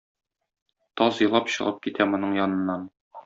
Таз елап чыгып китә моның яныннан.